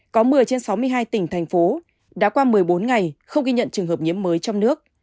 có một mươi trên sáu mươi hai tỉnh thành phố đã qua một mươi bốn ngày không ghi nhận trường hợp nhiễm mới trong nước